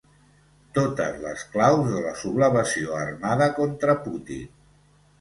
Totes les claus de la sublevació armada contra Putin